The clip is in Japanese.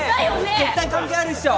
絶対関係あるっしょ！